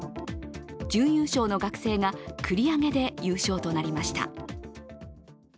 準優勝の学生が繰り上げで優勝となりました。